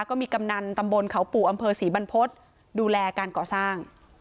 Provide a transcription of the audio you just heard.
ก็มีกำหนังตำบลเขาปู่อำเผอสี่บรรพภศดูแลการขอสร้าง